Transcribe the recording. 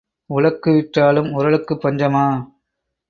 உழக்கு விற்றாலும் உரலுக்குப் பஞ்சமா?